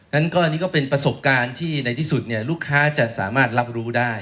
งั้นก็อันนี้ก็เป็นประสบการณ์ที่ในที่สุดลูกค้าจะสามารถรับรู้ได้